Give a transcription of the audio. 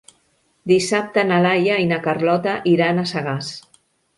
Dissabte na Laia i na Carlota iran a Sagàs.